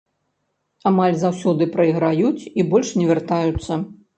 Амаль заўсёды прайграюць і больш не вяртаюцца.